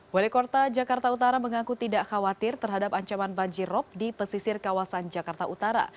wali kota jakarta utara mengaku tidak khawatir terhadap ancaman banjirop di pesisir kawasan jakarta utara